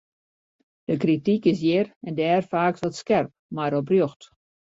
De krityk is hjir en dêr faaks wat skerp, mar oprjocht.